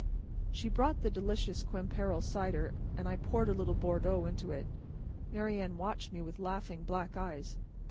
She brought the delicious Quimperle cider, and I poured a little Bordeaux into it. Marianne watched me with laughing black eyes.